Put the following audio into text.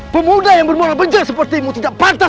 pemuda yang bermoral benjar seperti mu tidak padat